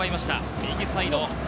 右サイド。